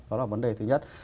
đó là vấn đề thứ nhất